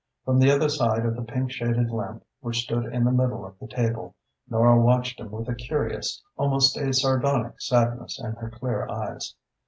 From the other side of the pink shaded lamp which stood in the middle of the table, Nora watched him with a curious, almost a sardonic sadness in her clear eyes.